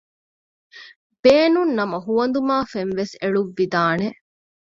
ބޭނުން ނަމަ ހުވަނދުމާ ފެން ވެސް އެޅުއްވިދާނެ